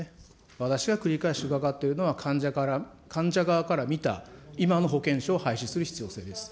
私が繰り返し伺っているのは、患者側から見た、今の保険証を廃止する必要性です。